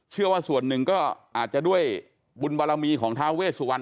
เชื่อว่าส่วนหนึ่งก็อาจจะด้วยบุญบารมีของท้าเวสวรร